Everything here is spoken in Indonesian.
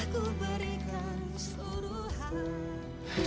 cepat buka wi